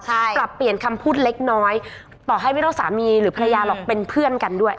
ปรับเปลี่ยนคำพูดเล็กน้อยต่อให้ไม่ต้องสามีหรือภรรยาหรอกเป็นเพื่อนกันด้วย